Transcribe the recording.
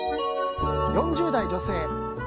４０代女性。